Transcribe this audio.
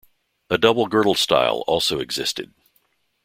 A double-girdled style also existed.